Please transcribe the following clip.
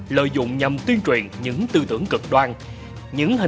lợi dụng nhằm tuyên truyền những tư tưởng cực đoan